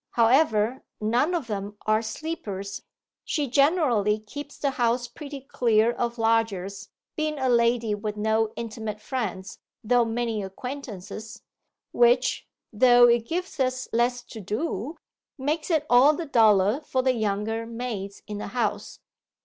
However, none of them are sleepers she generally keeps the house pretty clear of lodgers (being a lady with no intimate friends, though many acquaintances), which, though it gives us less to do, makes it all the duller for the younger maids in the house.